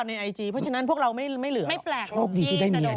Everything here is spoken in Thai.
เดี๋ยวเดี๋ยวเราหาเรื่องของเขา